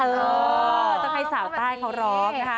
เออต้องให้สาวใต้เขาร้องนะคะ